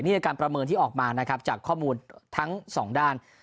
นี่การประเมินที่ออกมาจากข้อมูลทั้งสองด้าน